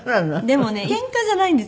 でもねケンカじゃないんですよ。